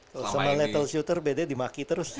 kalo sama little shooter bedanya dimaki terus